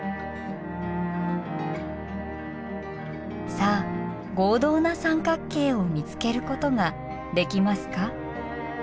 さあ合同な三角形を見つけることができますか？